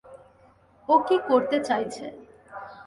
ও কী করতে চাইছে?